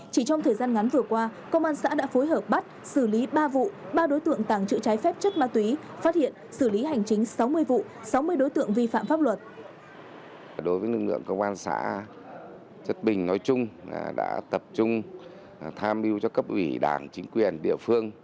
chỉ trong thời gian ngắn vừa qua công an xã đã phối hợp bắt xử lý ba vụ ba đối tượng tàng trữ trái phép chất ma túy phát hiện xử lý hành chính sáu mươi vụ sáu mươi đối tượng vi phạm pháp luật